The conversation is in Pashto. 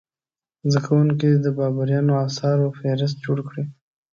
زده کوونکي دې د بابریانو اثارو فهرست جوړ کړي.